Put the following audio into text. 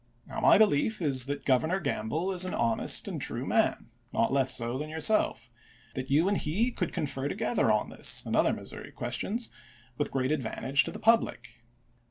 Now, my belief is that Governor Gamble is an honest and true man, not less so than yourself; that you and he could confer together on this, and other Missouri ques tions, with great advantage to the public; that each 1863.